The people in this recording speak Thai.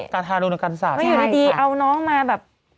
กรรษฐานุรกัณฑ์ศาสตร์ไม่อยู่ดีเอาน้องมาแบบ